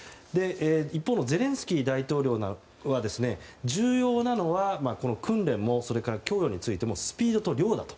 一方のゼレンスキー大統領は重要なのは訓練も供与についてもスピードと量だと。